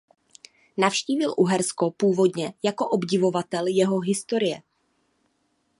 Navštívil Uhersko původně jako obdivovatel jeho historie.